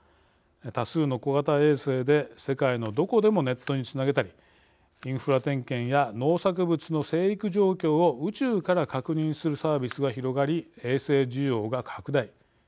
多数の小型衛星で世界のどこでもネットにつなげたりインフラ点検や農作物の生育状況を宇宙から確認するサービスが広がり衛星需要が拡大。